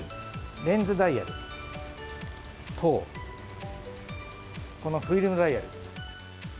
レンズダイヤルと、このフィルムダイヤル。